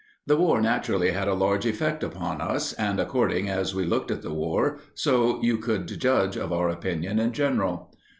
The war naturally had a large effect upon us, and according as we looked at the war, so you could judge of our opinions in general.